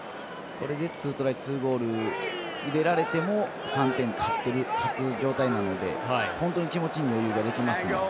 これで２トライ２ゴール入れられても３点、勝つ状態なので本当に気持ちに余裕ができますね。